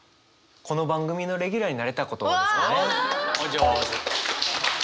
この番組のレギュラーになれたことですかね。